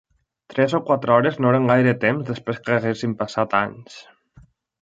Tres o quatre hores no eren gaire temps després que haguessin passat anys.